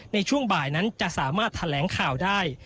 ในช่วงบ่ายนั้นจะสามารถแถลงข่าวได้